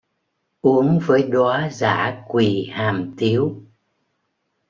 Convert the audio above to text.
Uống với đóa dã Quỳ Hàm Tiếu